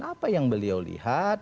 apa yang beliau lihat